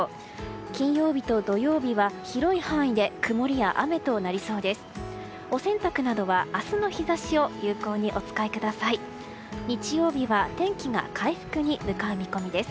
金曜日と土曜日は広い範囲で曇りや雨となりそうです。